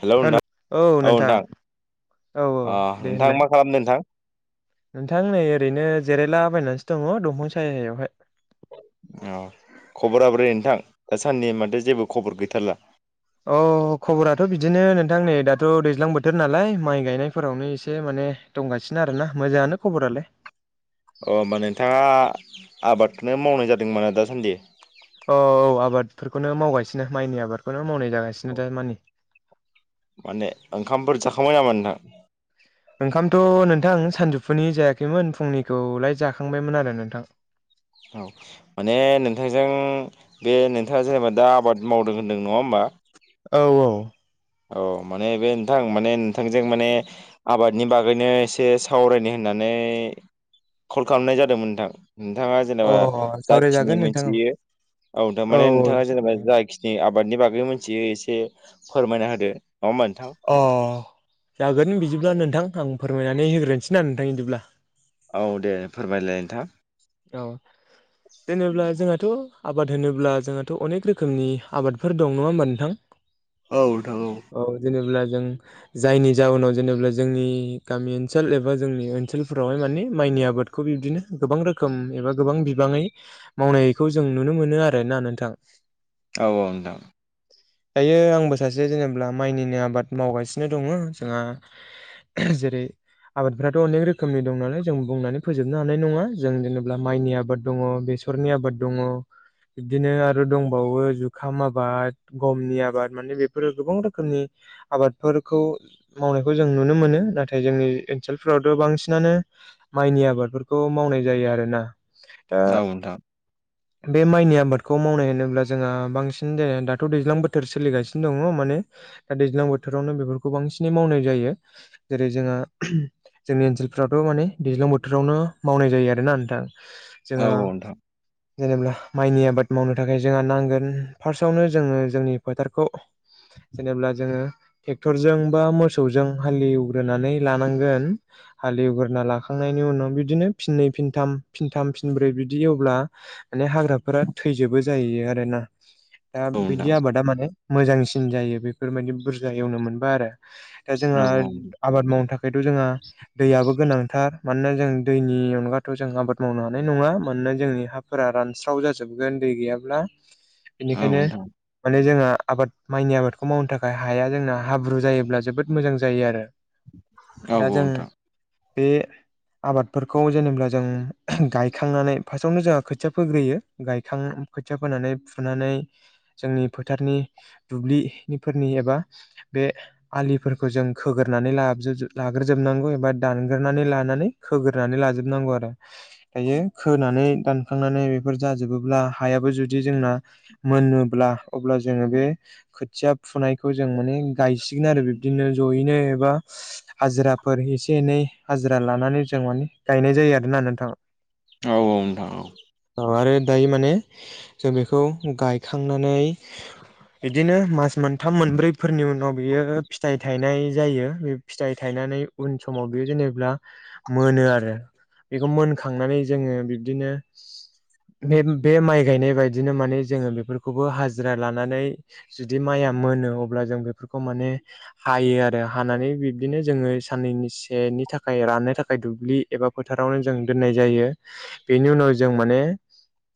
Hello नोंथां, औ नोंथां, औ औ अ दे नोंथां होनलाय मा खालामदों नोंथां? नोंथां नै ओरैनो जिरायलाबायनानैसो दङ दंफां सायायावहाय। अ खबरा बोरै नोंथां? दासानदै माथो जेबो खबर गैथारला? अ खबराथ' बिदिनो नोंथां नै दाथ' दैज्लां बोथोर नालाय माइ गायनायफोरावनो एसे मा ने दंगासिनो आरो ना मोजाङानो खबरालाय। अ होमबा नोंथाङा आबादखौनो मावनाय जादोंमोना दासान्दि। औ औ आबादफोरखौनो मावगासिनो माइनि आबादखौनो मावनाय जागासिनो दा मानि। माने ओंखामफोर जाखांबाय नामा नोंथां? ओंखामथ' नोंथां सानजौफुनि जायाखैमोन फुंनिखौलाय जाखांबायमोन आरो नोंथां। औ माने नोंथांजों बे नोंथाङा जेनेबा दा आबाद मावदों होनदों नङा होमबा औ औ औ माने बे नोंथां माने नोंथांजों माने आबादनि बागैनो एसे सावरायनो होनना नै कल खालामनाय जादोंमोन नोंथां। नोंथाङा औ जेनेबा अ जाखिनि सावरायजागोन नोंथां औ मोनथियो औ थारमाने औ नोंथाङा जेनेबा सावरायजागोन जाखिनि आबादनि बागै मिथियो एसे फोरमायना होदो। होमबा नोंथां अ जागोन बिदिब्ला नोंथां आं फोरमायनानै होग्रोसै ना नोंथां बिदिब्ला औ दे फोरमायलाय नोंथां औ जेनेब्ला जोंहाथ' आबाद होनोब्ला जोंहाथ' अनेक रोखोमनि आबादफोर दं नङा होमबा नोंथां औ नोंथां औ जेनेब्ला जों जायनि जउनाव जेनेबा जोंनि गामि ओनसोल एबा जोंनि ओनसोलफोरावहाय मानि माइ नि आबादखौ बिदिनो गोबां रोखोम रोखोम एबा गोबां बिबाङै मावनायखौ जों नुनो मोनो आरोना नोंथां औ औ नोथां दायो आंबो सासे जेनेबा माइनिनो आबाद मावगासिनो दङ जोंहा जेरै आबादफ्राथ' अनेक रोखोमनि दं नालाय जों बुंनानै फोजोबनो हानाय नङा जों जेनेबा माइनि आबाद दङ बेसरनि आबाद दङ बिबदिनो आरो दंबावो जुखाम आबाद, गमनि आबाद माने बेफोरो गोबां रोखोमनि आबादफोरखौ मावनायखौ जों नुनो मोनो नाथाय जोंनि ओनसोलफोरावथ' बांसिनानो माइनि आबादफोरखौ मावनाय जायो आरोना दा औ नोंथां बे माइनि आबादखौ मावनाय होनोब्ला जोंहा बांसिन [unintelligible] दाथ' दैज्लां बोथोर सोलिगासिनो दङ म नो दैज्लां बोथोरावनो बेफोरखौ बांसिनै मावनाय जायो जेरै जोंहा [unintelligible] ओनसोलफ्राथ' माने दैज्लां बोथोरावनो मावनाय जायो आरोना नोंथां औ जोंहा नोंथां जेनेब्ला माइनि आबाद मावनो थाखाय जोंहा नांगोन फार्स्टआवनो जोङो जोंनि फोथारखौ जेनेब्ला जोङो ट्रेक्टरजों बा मोसौजों हालि एवग्रोनानै लानांगोन हालि एवग्रोना लाखांनायनि उनाव बिदिनो फिनै फ फिथाम फिनथाम फिनब्रै बिदि एवब्ला माने हाग्राफोरा थैजोबो जाहै आरो ना दा औ बिदि नोंथां आबादा माने मोजांसिन जायो बेफोरमायादि बुरजा एवनो मोनबा आरो दा औ जोंहा आबाद मावनो थाखायथ' जोंहा दैयाबो गोनांथार मानोना जों दैनि अनगा थ' जों आबाद मावनो हानाय नङा मानोना जोंनि हाफोरा रानस्राव जाजोबगोन दै गैयाब्ला औ इनिखायनो नोंथां माने जोंहा आबाद माइनि आबादखौ मावनो थाखाय हाया जोंना हाब्रु जायोब्ला जोबोद मोजां जायो आरो औ औ दा जों नोंथां बे आबादफोरखौ जेनेब्ला जों गायखांनानै फार्स्टआवनो जोंहा खोथिया फोग्रोयो गायखां खोथिया फोनानै फुनानै नै जोंनि फोथारनि दुब्लिफोरनि एबा बे आलिफोरखौ जों खोगोरनानै लाजोब लाग्रोजोबनांगौ एबा दानग्रोनै लानानै खोग्रोनानै लाजोबनांगौ आरो दायो खोनानै दानखांनानै बेफोर जाजोबोब्ला हायाबो जुदि जोंना मोनोब्ला अब्ला जोङो बे खो थिया फुनायखौ जों माने गायसिगोन आरो बिबदिनो ज'यैनो एबा हजिराफोर एसे एनै हाजिरा लानानै जों माने गायनाय जायो आरोना नोंथां औ नोंथां औ अ आरो दायो माने जों बेखौ गायखांनानै इदिनो मास मोनथाम मोनब्रैफोरनि उनाव बियो फिथाइ थाइनाय जायो बे फिथायाइ थाइ थायनानै उन समाव बेयो जेनेब्ला मोनो आरो बेखौ मोनखांनानै जोङो बिब्दिनो बे बे माइ गायनाय बादिनो माने जोङो बेफोरखौबो हाजिरा लानानै जुदि माइआ मोनो अब्ला जों बेफोरखौ माने हायो आरो हानानै बिब्दिनो जोङो सानैनिसे नि थाखाय राननो थाखाय दुब्लि एबा फो थारावनो जों दोननाय जायो बेनि उनाव जों माने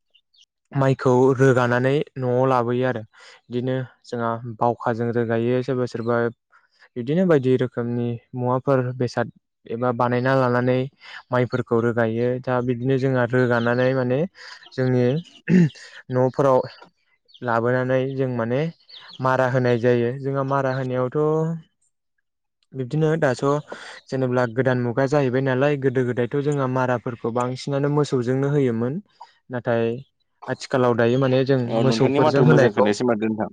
[inaudible] माइखौ रोगानानै न'आव लाबोयो आरो बिदिनो जोंहा बावखाजों रोगायो सोरबा सोरबा। बिदिनो बायदि रोखोमनि मुवाफोर बेसाद एबा बानायना लानानै माइफोरखौ रोगायो दा बिदिनो जोंहा रोगानानै माने जोंनि न' फोराव। लाबोनानै जों माने मारा होनाय जायो जोंहा मारा होनायावथ' बिब्दिनो दाथ' जेनेब्ला गोदान मुगा जाहैबाय नालाय गोदो गोदायथ' जोंङो माराफोरखौ बा बांसिनानो मोसौजोंनो होयोमोन नाथाय आथिखालाव दायो माने जों औ नोंथांनि मोसौफोरजों माथोखौ मोजां होनायखौ खोनायासै माथो नोंथां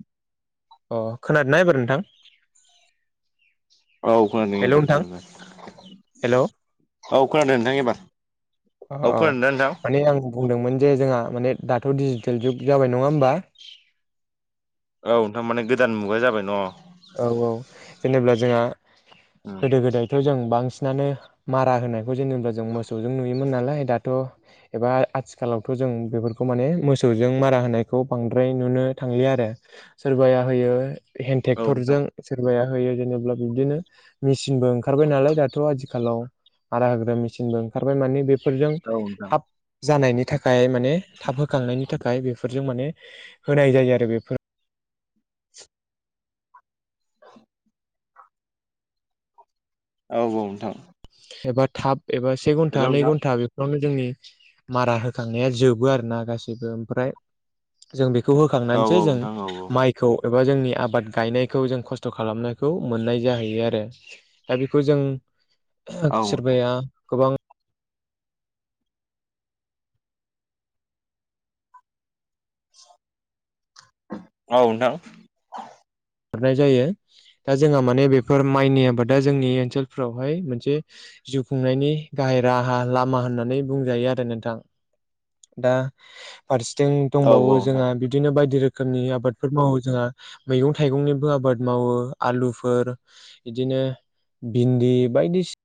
अ खोनादोंना एबार नोंथां? औ खोनादों हेल' एबार नोंथां खोनादों हेल' औ खोनादों नोंथां एबार। अ औ अ खोनादों ना नोंथां माने आं बुंदोंमोन जे जोंहा [inaudible] औ नोंथां माने गोदान मुगा जाबाय न' औ औ जेनेब्ला जोंहा उम गोदो गोदायथ' जों बांसिनानो मारा होनायखौ जेनेब्ला जों मोसौजों नुयोमोन नालाय। दाथ' एबा आथिखालावथ' जों बेफोरखौ माने मोसौजों मारा होनायखौ बांद्राय नुनो थांलिया आरो सोरबाया होयो हे औ नोंथां टेक्टरजों सोरबाया होयो जेनेब्ला बिबदिनो मेसिनबो ओंखारबाय नालाय दाथ' आथिखालाव मारा होग्रा मिसिनबो ओंखारबाय मेने बे फोरजों औ नोंथां थाब जानायनि थाखाय माने थाब होखांनायनि थाखाय बेफोर जों माने होनाय जायो बेफोर औ औ नोंथां एबा थाब एबा से हेल' घन्टा नै नोंथां घन्टा बेफोरावनो। जोंनि मारा होखांनाया जोबो आरोना गासैबो ओमफ्राय जों बे खौ औ होखांनानैसो जों नोंथां औ माइखौ बा जोंनि आबाद गायनायखौ जों खस्थ' खालामनायखौ मोननाय जाहैयो आरो दा बेखौ जों [inaudible] सोरबाया गोबां औ नोंथां। खारनाय जायो दा जोंहा माने बेफोर माइनि आबादा जोंनि ओनसोलफ्रावहाय मोनसजे जिउ खुंनायनि गाहाय राहा लामा होननानै बुंजायो आरो नोंथां। दा। फारसेथिं औ औ दंबावो नोंथां जोंहा बिदिनो बायदि रोखोमनि आबादफोर मावो जोंहा मैगं थाइगंनिबो आबाद मावो आलुफोर बिदिनो। भिन्दि बायदिसि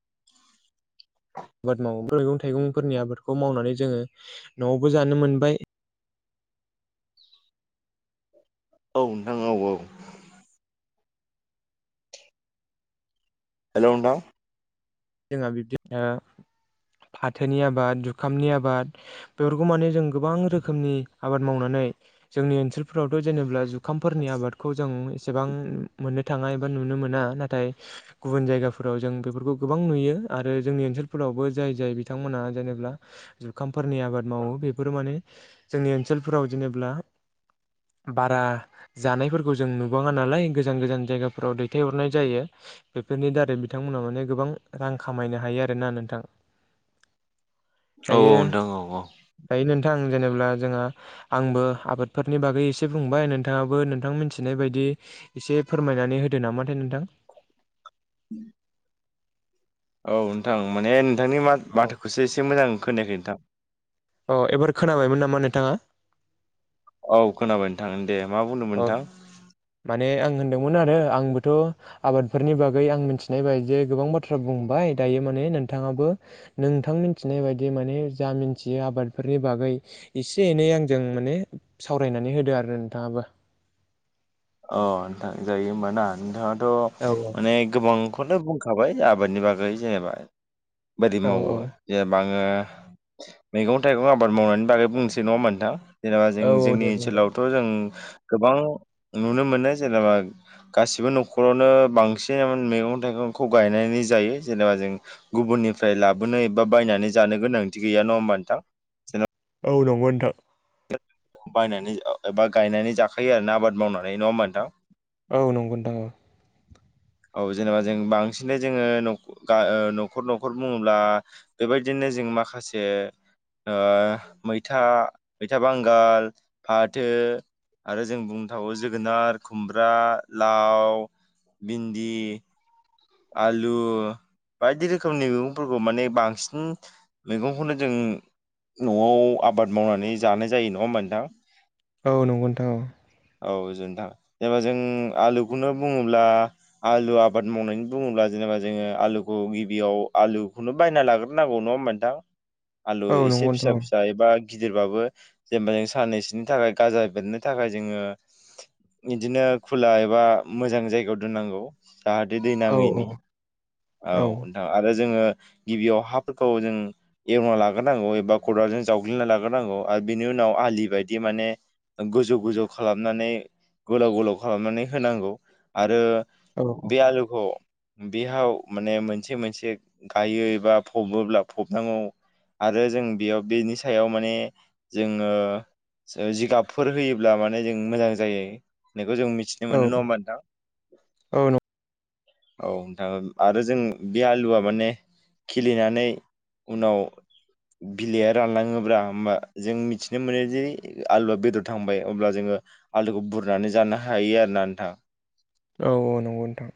आबाद मावो मैगं थाइगंफोरनि आबादखौ मावनानै जोङो न'आवबो जानो मोनबाय। औ नोंथां औ औ। हेल' नोंथां। जोंहा बिबदि ओ। फाथोनि आबाद जुखामनि आबाद बेफोरखौ माने जों गोबां रोखोमनि आबाद मावनानै जोंनि ओनसोलफोरावथ' जेनेब्ला जु खामफोरनि आबादखौ जों एसेबां मोननो थाङा एबा नुनो मोना नाथाय गुबुन जायगाफोराव जों बेफोरखौ गोबां नुयो आरो जोंनि ओनसोलफोरावबो जाय जाय बिथांमोनहा जेनेा जुखामफोरनि आबाद मावो। बेफोर माने जोंनि ओनसोलफोराव जेनेब्ला- बारा जानायफोरखौ जों नुबाङा नालाय गोजान गोजान जायगाफोराव दैथायहरनाय जायो। बेफोरनि दारै बिथांमोनहा माने गोबां रां खामायनो हायो आरोना नोंथां। औ औ दायो नोंथां औ औ दायो नों थां जेनेब्ला जोंहा आंबो आबादफोरनि बागै एसे बुंबाय नोंथाङाबो नोंथां मिथिनाय बायदि एसे फोरमायनानै होदो नामाथाय नोंथां [unintelligible] औ नोंथां माने नोंथांनि मा औ माथोखौसो एसे मोजां खोनायाखै नोंथां अ एबार खोनाबायमोन नामा नोंथाङा? औ खोनाबाय नोंथां दे मा अ बुंदोंमोन नोंथां माने आं होनदोंमोन आरो आंबोथ' आबादफोरनि बागै आं मिथिनाय बायदियै गोबां बाथ्रा बुंबाय दायो माने नोंथाङाबो नोंथां मिथिनाय बायदि माने जा मिथियो आबादफोरनि बागै एसे एनै आंजों माने सावरायनानै होदो आरो नोंथाङाबो अ नोंथां जायो होमबाना नोंथाङा थ' औ औ माने गोबांखौनो बुंखाबाय आबादनि बागै जेनेबा बायदि औ मावो औ जेनेबा आङो मैगं थाइगं आबाद मावनायनि बागै बुंनोसै नङा होनबा नोंथां जेनेबा जों औ औ जोंनि दे बुं दे ओनसोलावथ' जों गोबां नुनो मोनो जेनेबा गासिबो न'खरावनो बांसिन मैगं थाइगंखौ गायनायनि जायो जेनेबा जों गुबुननिफ्राय लाबोनाय एबा बायनानै जानो गोनांथि गैया नङा होमबा नोंथां जेन' औ नंगौ नोंथां बायनानै एबा गायनानै जाखायो आर ना आबाद मावनानै नङा होमबा नोंथां औ नंगौ नोंथां औ औ जेनेबा जों बांसिनै जोङो न'खर न'खर बुङोब्ला बेबायदिनो जों माखासे ओ मैथा मैथा बांगाल फाथो आरो जों बुंनो थाबावो जोगोनार खुमब्रा लाव भिन्दि आलु बायदि रोखोमनि मैगंफोरखौ माने बांसिन मैगंखौनो जों न'आव आबाद मावनानै जानाय जायो नङा होमबा नोंथां औ नंगौ नोंथां औ औ गोजोनथों जेनेबा जों आलुखौनो बुङोब्ला आलु आबाद मावनायनि बुङोब्ला जेनेबा जोङो आलुखौ गिबियाव आलुखौनो बायना लाग्रोनांगौ नङा होनोमबा नोंथां आलु औ एसे नंगौ फिसा नोंथां फिसा एबा गिदिरबाबो जेनेबा जों साननैसोनि थाखाय गाजा बेरनो थाखाय जोङो इदिनो खुला एबा मोजां जायगायाव दोननांगौ जाहाथे औ औ नांङैनि औ नोंथां आरो जोङो गिबियाव हाफोरखौ जों एवना लाग्रोनांगौ एबा खदालजों जावग्लिना लाग्रोनांगौ आरो बेनि उन उनाव आलि बायदि माने गोजौ गोजौ खालामनानै गोलाव गोलाव खालामनानै होनांगौ आरो औ औ बे आलुखौ बेहाव माने मोनसे मोनसे गायो एबा फबोब्ला फबनांगौ आरो जों बेयाव बेनि सायाव माने जोङो सायाव जिगाबफोर होयोब्ला माने जों मोजां जायो होननायखौ जों मिथिनो औ मोनो नङा होमबा नोंथां औ औ नोंथां आरो जों बे आलुआ माने खिलिनानै उनाव बिलाइया रानलाङोब्ला होमबा जों मिथिनो मोनो जे आलुआ बेदर थांबाय अब्ला जोङो आलुखौ बुरनानै जानो हायो आरो ना नोंथां औ औ नंगौ नोंथां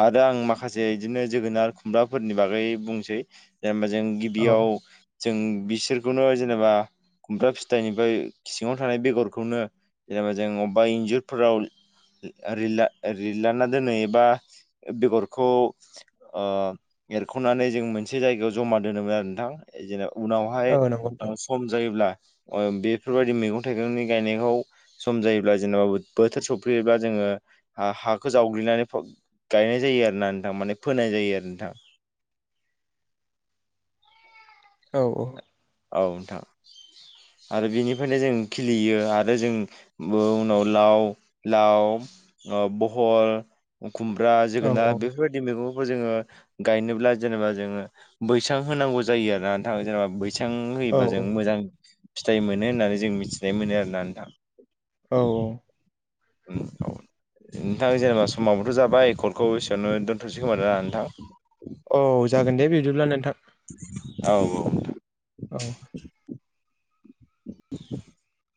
आरो आं माखासे इदिनो जोगोनार खुमब्राफोरनि बागै बुंसै जेनेबा जों औ गिबियाव जों बिसोरखौनो जेनेबा खुमब्रा फिथाइनिफ्राय सिङाव थानाय बेगरखौनो जेनेबा जों अबेबा इन्जुरफोराव रिल्ला रिलाना दोनो एबा बेगरखौ ओ एरख'नानै जों मोनसे जायगायाव जमा दोनोमोन आरो नोंथां जेन उनावहाय औ नंगौ नोंथां सम जायोब्ला ओ बेफोरबायदि मैगं थाइगंनि गायनायखौ सम जायोब्ला जेनेबा बोथोर सौफैयोब्ला जोङो ओ हाखौ जावग्लिनानै गायनाय जायो आरो ना नोंथां माने फोनाय जायो आरो नोंथां औ औ औ नोंथां आरो बेनिफ्रायनो जों खिलियो आरो जों ओ उनाव लाव लाव ओ बहल खुमब्रा औ जोगोनार बेफोरबायदि मैगं खौ जोंङो गायनोब्ला जेनेबा जोङो बैसां होनांगौ जायो आरोना नोंथां जेनेबा बै सां औ होयोबा जों मोजां फिथाइ मोनो होननानै जों मिथिनाय मोनो आरोना नोंथां औ औ उम औ नोंथां जेनेबा समावोथ' जाबाय एकर्डखौ एसेयावनो दोन्थ'सै खोमाना नोंथां औ जागोन दे बिदिब्ला नोंथां औ औ औ [inaudible]